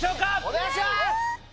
お願いします！